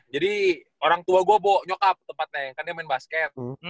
jadi orang tua gue bo nyokap tempatnya kan dia main basket